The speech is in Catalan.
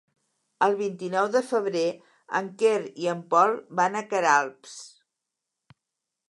El vint-i-nou de febrer en Quer i en Pol van a Queralbs.